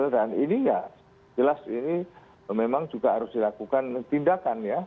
dan ini ya jelas ini memang juga harus dilakukan tindakan ya